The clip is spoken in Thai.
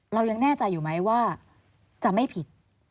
เรายังแน่ใจอยู่ไหมว่าจะไม่ผิด